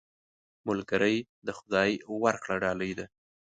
ملګری د خدای ورکړه ډالۍ ده